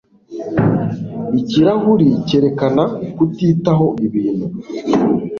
Ikirahuri cyerekana kutitaho ibintu